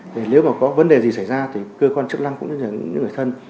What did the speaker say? nếu mà có vấn đề gì xảy ra thì cơ quan chức năng cũng như những người thân